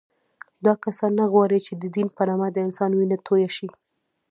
دا کسان نه غواړي چې د دین په نامه د انسان وینه تویه شي